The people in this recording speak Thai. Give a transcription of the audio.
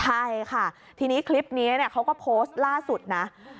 ใช่ค่ะทีนี้คลิปนี้เขาก็โพสต์ล่าสุดนะ